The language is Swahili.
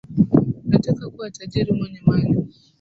Nataka kuwa tajiri mwenye mali